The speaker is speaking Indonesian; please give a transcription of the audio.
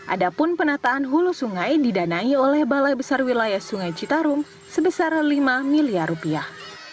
adapun penataan hulu sungai didanai oleh balai besar wilayah sungai citarum sebesar lima miliar rupiah